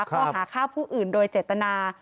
ก็หาข้าวผู้อื่นโดยเจตนา